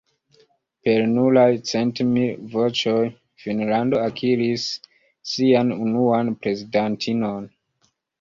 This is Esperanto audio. Per nuraj cent mil voĉoj Finnlando akiris sian unuan prezidantinon.